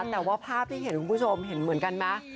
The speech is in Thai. แต่ว่าภาพที่เห็นคุณผู้ชมเห็นเหมือนกันไหม